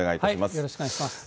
よろしくお願いします。